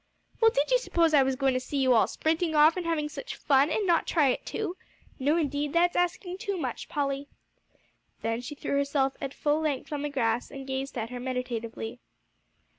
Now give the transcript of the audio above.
"Well, did you suppose I was going to see you all sprinting off and having such fun, and not try it too? No, indeed; that's asking too much, Polly." Then she threw herself at full length on the grass, and gazed at her meditatively.